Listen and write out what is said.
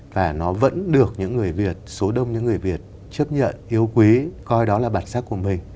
và nó vẫn được những người việt số đông những người việt chấp nhận yêu quý coi đó là bản sắc của mình